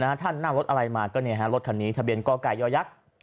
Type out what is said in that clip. นะฮะท่านน่าวรถอะไรมาก็เนี่ยฮะรถท่านนี้ทะเบียนกย๙๐๑๓